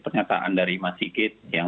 pernyataan dari mas sigit yang